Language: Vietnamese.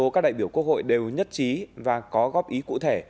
các đại biểu quốc hội đều nhất trí và có góp ý cụ thể